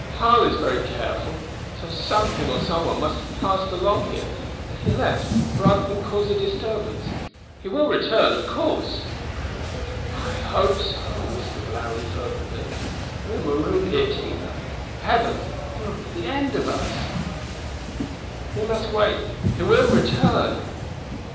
Harl is very careful; so something or someone must have passed along here, and he left, rather than cause a disturbance. He will return, of course." "I hope so," whispered Larry fervently. "We are marooned here, Tina! Heavens, it would be the end of us!" "We must wait. He will return."